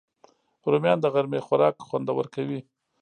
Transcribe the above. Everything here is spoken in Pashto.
رومیان د غرمې خوراک خوندور کوي